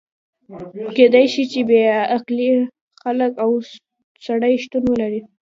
خو کېدای شي چې بې علاقې خلک او سړي شتون ولري.